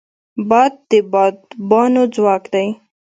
باد د بادبانو ځواک دی